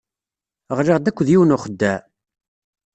Ɣliɣ-d akked yiwen n uxeddaɛ.